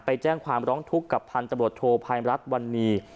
ไปแจ้งความร้องทุกข์กับพันธบรวจโทภัยรัฐวันนี้